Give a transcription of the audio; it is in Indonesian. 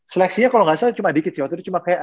seleksinya kalo gak salah cuma dikit sih